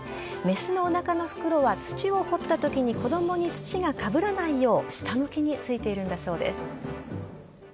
雌のおなかの袋は土を掘ったときに子供に土がかぶらないよう下向きについているんだそうです。